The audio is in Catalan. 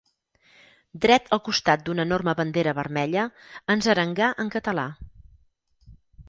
Dret al costat d'una enorme bandera vermella, ens arengà en català.